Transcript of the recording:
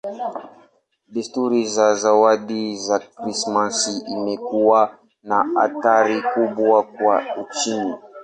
Desturi ya zawadi za Krismasi imekuwa na athari kubwa kwa uchumi.